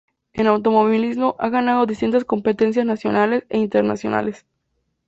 En automovilismo ha ganado distintas competencias nacionales e internacionales.